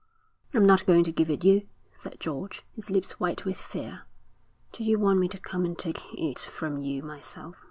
'I'm not going to give it you,' said George, his lips white with fear. 'Do you want me to come and take if from you myself?'